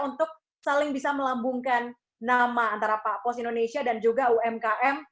untuk saling bisa melambungkan nama antara pak pos indonesia dan juga umkm